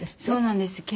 そうなんです。